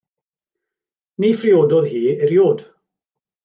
Ni phriododd hi erioed.